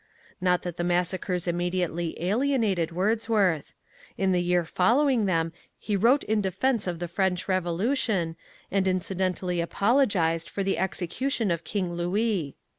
Not that the massacres immediately alienated Wordsworth. In the year following them he wrote in defence of the French Revolution, and incidentally apologized for the execution of King Louis.